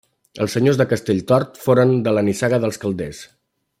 Els senyors de Castelltort foren de la nissaga dels Calders.